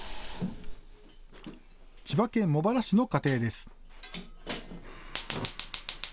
千葉県茂原市の家庭です。